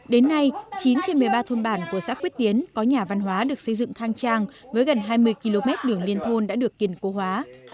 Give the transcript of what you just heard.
đến nay chín trên một mươi ba thôn bản của xã quyết tiến có nhà văn hóa được xây dựng khang trang với gần hai mươi km đường liên thôn đã được kiên cố hóa